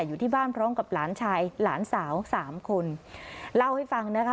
อยู่ที่บ้านพร้อมกับหลานชายหลานสาวสามคนเล่าให้ฟังนะคะ